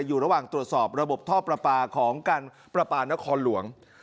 อยู่ระหว่างตรวจสอบระบบท่อประปาของการประปานครหลวง